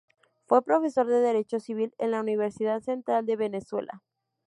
Fue profesor de Derecho Civil en la Universidad Central de Venezuela.